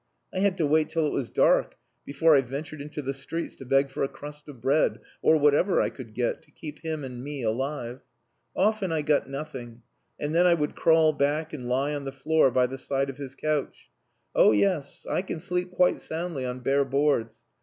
I had to wait till it was dark before I ventured into the streets to beg for a crust of bread, or whatever I could get, to keep him and me alive. Often I got nothing, and then I would crawl back and lie on the floor by the side of his couch. Oh yes, I can sleep quite soundly on bare boards.